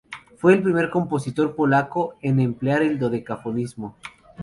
Fue el primer compositor polaco en emplear el dodecafonismo.